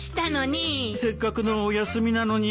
せっかくのお休みなのにすみません。